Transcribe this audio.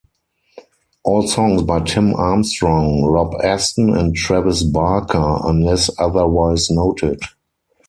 All songs by Tim Armstrong, Rob Aston and Travis Barker unless otherwise noted.